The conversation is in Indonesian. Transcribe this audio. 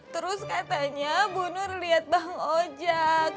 terus katanya bu nur lihat bang ojek